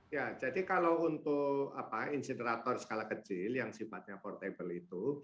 ya jadi kalau untuk insinerator skala kecil yang sifatnya portable itu